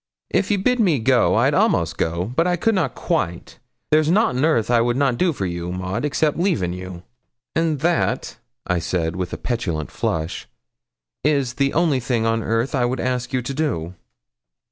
'If ye bid me go I'd a'most go, but I could na quite; there's nout on earth I would na do for you, Maud, excep' leaving you.' 'And that,' I said, with a petulant flush, 'is the only thing on earth I would ask you to do.'